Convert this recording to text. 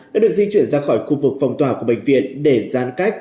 đã được di chuyển ra khỏi khu vực phong tỏa của bệnh viện để giãn cách